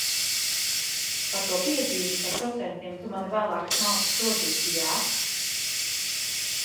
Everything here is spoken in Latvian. Par to piezīmi par procentiem tu mani vēlāk smalki sodīsi, jā?